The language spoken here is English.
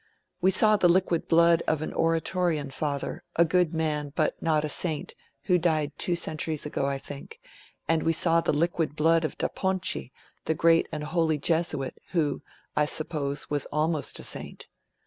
We saw the liquid blood of an Oratorian Father; a good man, but not a saint, who died two centuries ago, I think; and we saw the liquid blood of Da Ponte, the great and holy Jesuit, who, I suppose, was almost a saint.